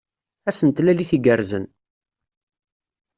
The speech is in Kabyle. Ass n tlalit igerrzen!